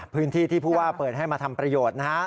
พื้นที่ที่ผู้ว่าเปิดให้มาทำประโยชน์นะฮะ